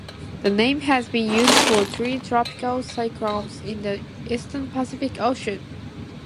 The name has been used for three tropical cyclones in the Eastern Pacific Ocean.